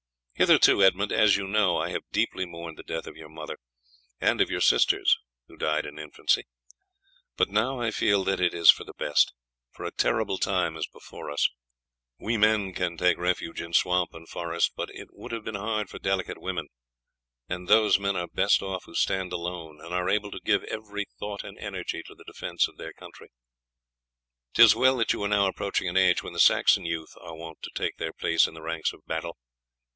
Hitherto, Edmund, as you know, I have deeply mourned the death of your mother, and of your sisters who died in infancy; but now I feel that it is for the best, for a terrible time is before us. We men can take refuge in swamp and forest, but it would have been hard for delicate women; and those men are best off who stand alone and are able to give every thought and energy to the defence of their country. 'Tis well that you are now approaching an age when the Saxon youth are wont to take their place in the ranks of battle.